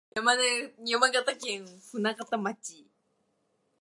山形県舟形町